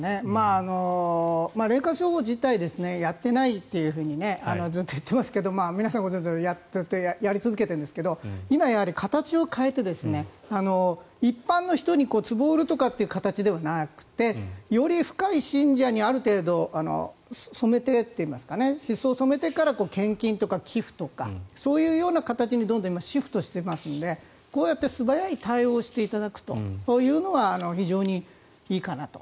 霊感商法自体やっていないというふうにずっと言っていますけど皆さんご存じのようにずっとやり続けているんですけど今、やはり形を変えて一般の人につぼを売るとかっていう形ではなくてより深い信者にある程度、染めてというか思想を染めてから献金とか寄付とかそういうような形にどんどん今シフトしていますのでこうやって素早い対応をしていただくというのは非常にいいかなと。